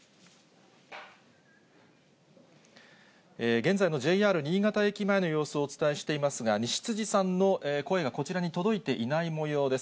現在のＪＲ新潟駅前の様子をお伝えしていますが、西辻さんの声がこちらに届いていないもようです。